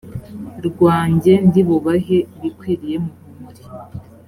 rwanjye ndi bubahe ibikwiriye muhumure